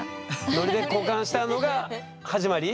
ノリで交換したのが始まり？